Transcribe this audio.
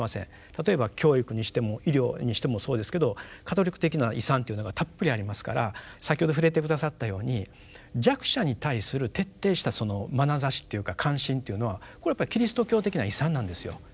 例えば教育にしても医療にしてもそうですけどカトリック的な遺産というのがたっぷりありますから先ほど触れて下さったように弱者に対する徹底したまなざしっていうか関心というのはこれはキリスト教的な遺産なんですよ。